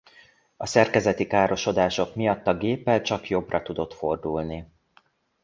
A szerkezeti károsodások miatt a géppel csak jobbra tudott fordulni.